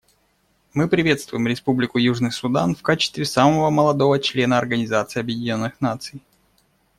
Мы приветствуем Республику Южный Судан в качестве самого молодого члена Организации Объединенных Наций.